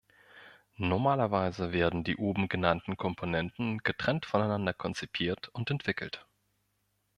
Normalerweise werden die oben genannten Komponenten getrennt voneinander konzipiert und entwickelt.